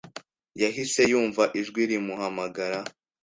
yahise yumva ijwi rimuhamagara.